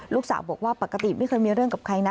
ลูกสาวบอกว่าปกติไม่เคยมีเรื่องกับใครนะ